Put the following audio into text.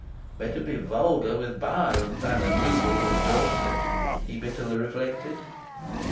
Better be vulgar with Byron than a noodle with Dorset! he bitterly reflected...